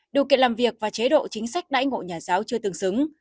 điều kiện làm việc và chế độ chính sách đãi ngộ nhà giáo chưa tương xứng